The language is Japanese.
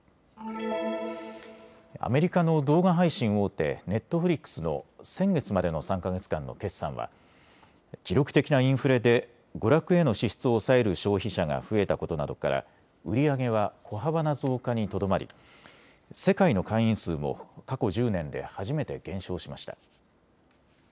アメリカの動画配信大手、ネットフリックスの先月までの３か月間の決算は記録的なインフレで娯楽への支出を抑える消費者が増えたことなどから売り上げは小幅な増加にとどまり世界の会員数も過去１０年で初めて減少しました。